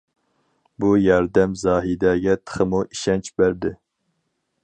بۇ ياردەم زاھىدەگە تېخىمۇ ئىشەنچ بەردى.